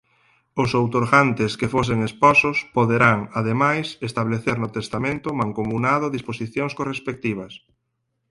Os outorgantes que fosen esposos poderán, ademais, establecer no testamento mancomunado disposicións correspectivas.